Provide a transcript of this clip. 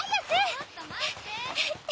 ちょっと待って！